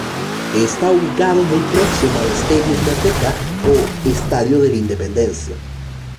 Está ubicado muy próximo al Stadium Merdeka o "Estadio de la Independencia".